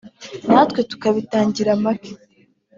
natwe tukabitangira make